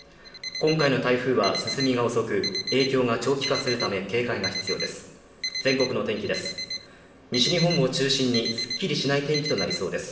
今回の台風は進みが遅く、影響が長期化するため警戒が必要です。